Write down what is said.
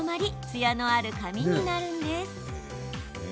ツヤのある髪になるんです。